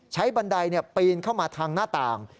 บันไดปีนเข้ามาทางหน้าต่าง